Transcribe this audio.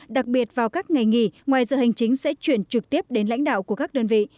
đặc biệt vào các ngày nghỉ ngoài giờ hành chính sẽ chuyển trực tiếp đến lãnh đạo của các đơn vị